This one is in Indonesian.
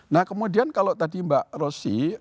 nah kemudian kalau tadi mbak rosy